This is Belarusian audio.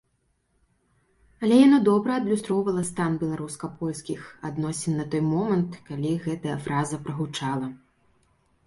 Але яно добра адлюстроўвала стан беларуска-польскіх адносін на той момант, калі гэтая фраза прагучала.